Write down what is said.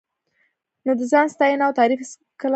نو د ځان ستاینه او تعریف هېڅکله مه کوه.